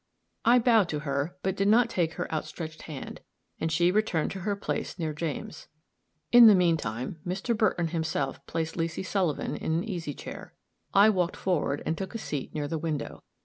I bowed to her, but did not take her outstretched hand, and she returned to her place near James. In the mean time, Mr. Burton himself placed Leesy Sullivan in an easy chair. I walked forward and took a seat near the window.